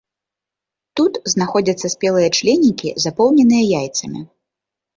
Тут знаходзяцца спелыя членікі, запоўненыя яйцамі.